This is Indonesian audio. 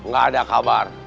gak ada kabar